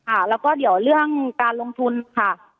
ค่ะแล้วก็เดี๋ยวเรื่องการลงทุนค่ะ